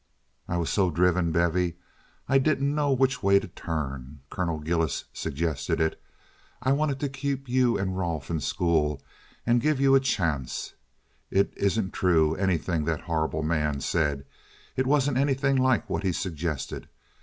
"I was so driven, Bevy, I didn't know which way to turn. Colonel Gillis suggested it. I wanted to keep you and Rolfe in school and give you a chance. It isn't true—anything that horrible man said. It wasn't anything like what he suggested.